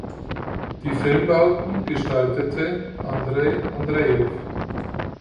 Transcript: Die Filmbauten gestaltete Andrej Andrejew.